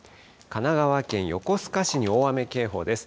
神奈川県横須賀市に大雨警報です。